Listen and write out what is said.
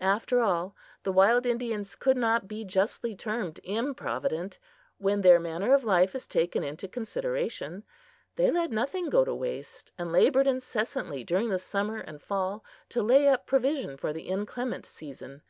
After all, the wild Indians could not be justly termed improvident, when their manner of life is taken into consideration. They let nothing go to waste, and labored incessantly during the summer and fall to lay up provision for the inclement season.